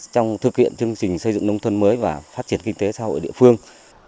trong thực hiện chương trình xây dựng nông thuần mới và phát triển kinh tế xã hội địa phương